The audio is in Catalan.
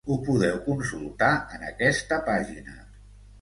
Ho podeu consultar en aquesta pàgina.